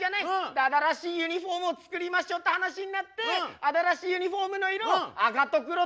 新しいユニフォームを作りましょって話になって新しいユニフォームの色赤と黒どっちがいいべって。